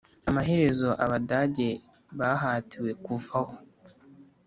amaherezo, abadage bahatiwe kuvaho.